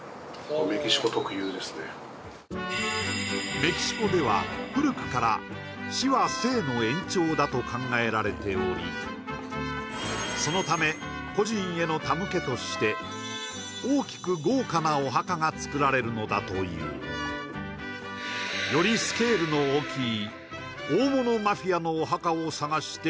メキシコでは古くから死は生の延長だと考えられておりそのため故人への手向けとして大きく豪華なお墓がつくられるのだというよりスケールの大きい